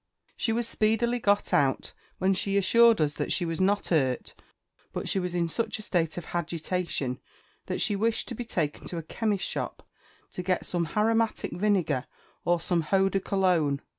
She was speedily got out, when she assured us that she was not 'urt; but she was in such a state of _h_agitation that she wished to be taken to a chemist's shop, to get some _h_aromatic vinegar, or some Hoe de Cologne!